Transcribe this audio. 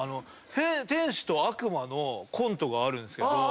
天使と悪魔のコントがあるんすけど。